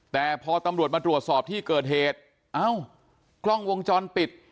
แต่พอตำรวจมาตรวจสอบที่เกิดเหตุเอ้ากล้องวงจรปิด